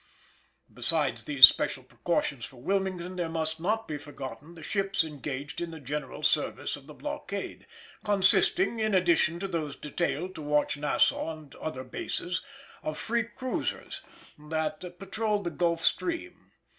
Besides these special precautions for Wilmington there must not be forgotten the ships engaged in the general service of the blockade, consisting, in addition to those detailed to watch Nassau and other bases, of free cruisers that patrolled the Gulf stream.